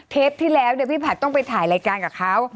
ที่แล้วพี่ผัดต้องไปถ่ายรายการกับเขา